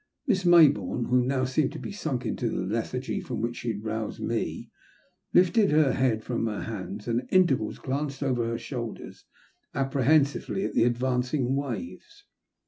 Miss Mayboume, who now seemed to be sunk into the lethargy froip which she had roused me, lifted her head from her hands, and at intervals glanced over her shoulder apprehensively at the advancing waves.